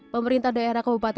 pemerintah daerah kepulauan seribu